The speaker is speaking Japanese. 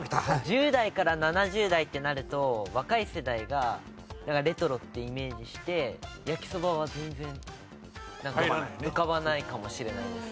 １０代から７０代ってなると若い世代がレトロってイメージして焼きそばは全然浮かばないかもしれないです。